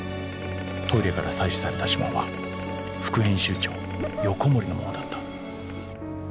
［トイレから採取された指紋は副編集長横森のものだった］